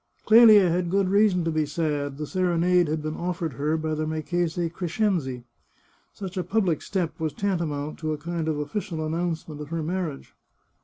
Clelia had good reason to be sad ; the serenade had been offered her by the Marchese Crescenzi. Such a public step was tantamount to a kind of official announcement of her marriage.